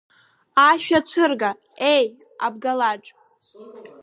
Ашәа цәырга, еи, Абгалаџ!